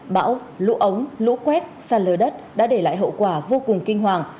bão lũ ống lũ quét sàn lờ đất đã để lại hậu quả vô cùng kinh hoàng